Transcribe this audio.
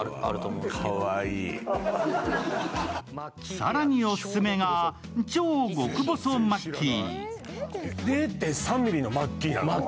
更にオススメが超極細マッキー。